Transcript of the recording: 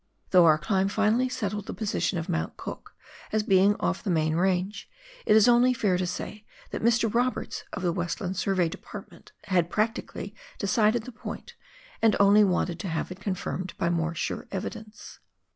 Though our climb finally settled the position of Mount Cook as being off the main range, it is only fair to say that Mr. Roberts, of the Westland Survey Department, had praclically decided the point, and only wanted to have it confirmed by more sure evidence.